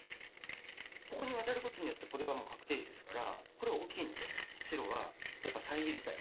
ここにワタることによってこれはもう確定地ですからこれは大きいので白はやっぱり遮りたい。